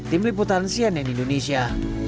tim liputan cnn indonesia